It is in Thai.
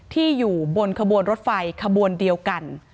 ที่อยู่บนขบวนรถไฟขบวนเดียวกัน